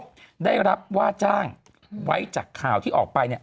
เขาได้รับว่าจ้างไว้จากข่าวที่ออกไปเนี่ย